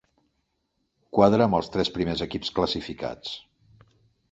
Quadre amb els tres primers equips classificats.